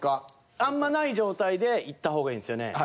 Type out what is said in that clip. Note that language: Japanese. あんまない状態でいった方がいいんですよね。